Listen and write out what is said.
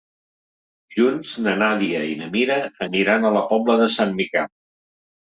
Dilluns na Nàdia i na Mira aniran a la Pobla de Sant Miquel.